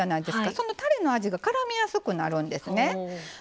そのたれの味がからみやすくなるんですね。